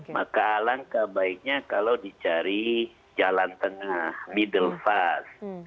maka alangkah baiknya kalau dicari jalan tengah middle fast